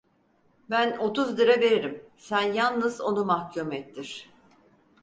Ben otuz lira veririm; sen yalnız onu mahkum ettir!